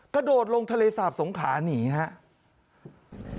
กระโดดลงทะเลสาบสงขาหนีครับ